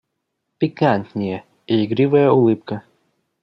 Пикантнее, и игривая улыбка.